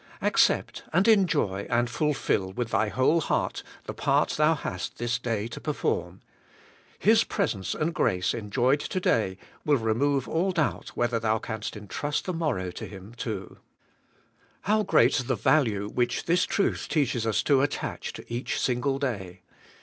Ac cept, and enjoy, and fulfil with thy whole heart the part thou hast this day to perform. His presence and grace enjoyed to day will remove all doubt whether thou canst entrust the morrow to Him too. How great the value which this truth teaches us to attach to each single day!